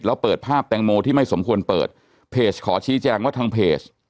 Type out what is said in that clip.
แล้วเปิดภาพแตงโมที่ไม่สมควรเปิดเพจขอชี้แจงว่าทางเพจ